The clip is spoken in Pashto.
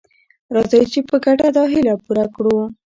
راځئ چې په ګډه دا هیله پوره کړو.